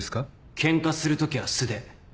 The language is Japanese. ケンカするときは素手。